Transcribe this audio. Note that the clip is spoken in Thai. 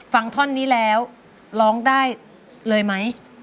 ฟังท่อนนี้แล้วร้องได้เลยไหม